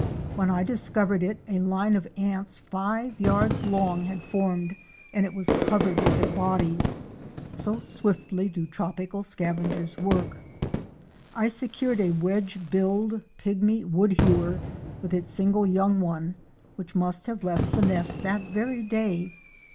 When I discovered it, a line of ants five yards long had formed and it was covered with their bodies. So swiftly do tropical scavangers work! I secured a Wedge billed Pygmy Woodhewer" with its single young one, which must have left the nest that very day.